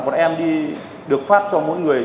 bọn em đi được phát cho mỗi người